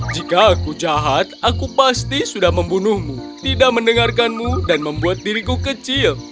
jika aku jahat aku pasti sudah membunuhmu tidak mendengarkanmu dan membuat diriku kecil